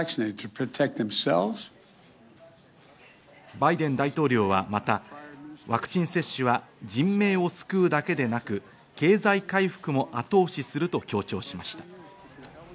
バイデン大統領はまた、ワクチン接種は人命を救うだけでなく、経済回復も後押しすると強調しました。